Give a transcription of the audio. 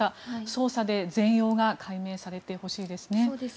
捜査で全容が解明されてほしいですね。